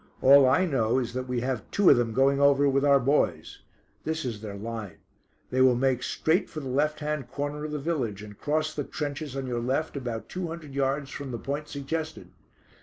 "All I know is that we have two of them going over with our boys. This is their line; they will make straight for the left hand corner of the village, and cross the trenches on your left about two hundred yards from the point suggested.